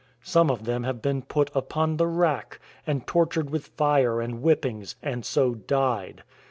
Some of them have been put upon the rack, and tortured with fire and whippings, and so died.